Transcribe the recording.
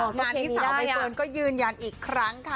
งานนี้สาวใบเฟิร์นก็ยืนยันอีกครั้งค่ะ